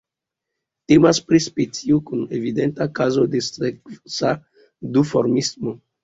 Temas pri specio kun evidenta kazo de seksa duformismo.